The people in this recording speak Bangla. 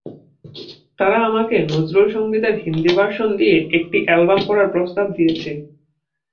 তারা আমাকে নজরুলসংগীতের হিন্দি ভার্সন নিয়ে একটি অ্যালবাম করার প্রস্তাব দিয়েছে।